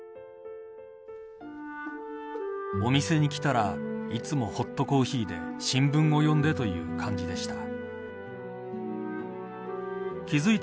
お店に来たらいつもホットコーヒーで新聞を読んでという感じでした。